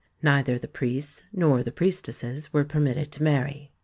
Neither the priests not the priestesses were permitted to marry.